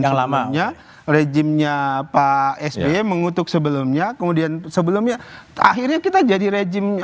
yang lamanya rejimnya pak sby mengutuk sebelumnya kemudian sebelumnya akhirnya kita jadi rejimnya